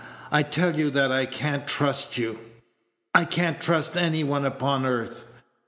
I tell you that I can't trust you I can't trust any one upon earth.